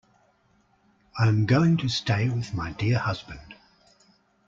I am going to stay with my dear husband.